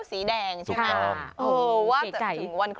ว้าว